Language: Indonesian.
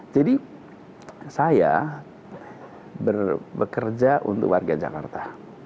jadi saya bekerja untuk warga jakarta